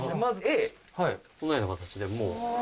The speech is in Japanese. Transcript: このような形でもう。